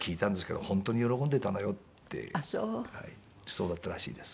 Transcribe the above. そうだったらしいです。